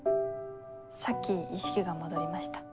さっき意識が戻りました。